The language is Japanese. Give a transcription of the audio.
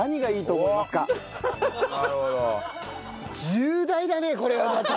重大だねこれはまた。